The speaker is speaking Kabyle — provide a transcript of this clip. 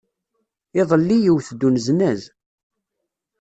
Iḍelli, iwet-d uneznaz.